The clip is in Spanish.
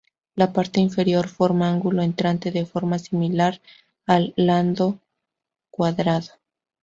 La parte inferior forma ángulo entrante de forma similar al landó cuadrado.